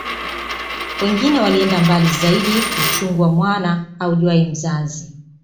Wengine walienda mbali zaidi uchungu wa mwana aujuae mzazi